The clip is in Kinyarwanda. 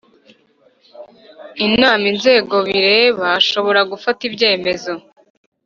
inama inzego bireba ashobora gufata ibyemezo